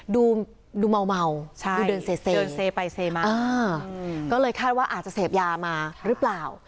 ดูเมากดูเดินเซเดินเซไปเซมาก็เลยคาดว่าอาจจะเสพยามาหรือเปล่า